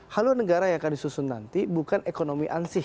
haluan negara yang akan disusun nanti bukan ekonomi ansih